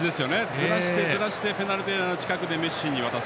ずらして、ずらしてペナルティーエリア近くでメッシに渡す。